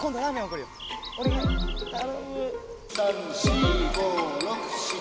・３、４、５、６、７、８。